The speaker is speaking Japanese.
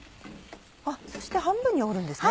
そして半分に折るんですね？